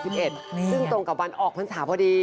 ซึ่งตรงกับวันออกภัณฑ์ศาสตร์พอดี